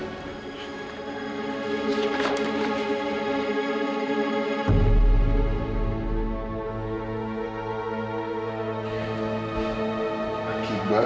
busidak ini sangat dara